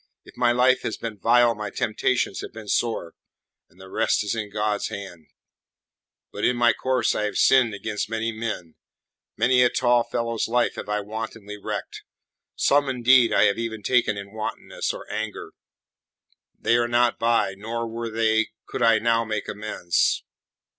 If my life has been vile my temptations have been sore, and the rest is in God's hands. But in my course I have sinned against many men; many a tall fellow's life have I wantonly wrecked; some, indeed, I have even taken in wantonness or anger. They are not by, nor, were they, could I now make amends.